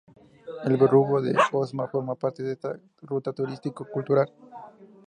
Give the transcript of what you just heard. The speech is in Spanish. El Burgo de Osma forma parte de esta ruta turístico cultural.